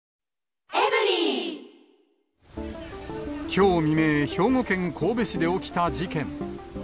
きょう未明、兵庫県神戸市で起きた事件。